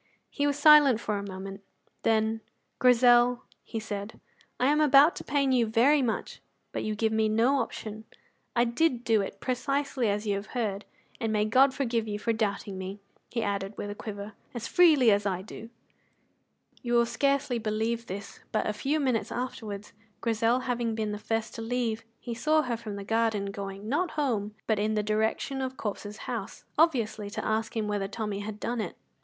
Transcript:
He was silent for a moment. Then, "Grizel," he said, "I am about to pain you very much, but you give me no option. I did do it precisely as you have heard. And may God forgive you for doubting me," he added with a quiver, "as freely as I do." You will scarcely believe this, but a few minutes afterwards, Grizel having been the first to leave, he saw her from the garden going, not home, but in the direction of Corp's house, obviously to ask him whether Tommy had done it.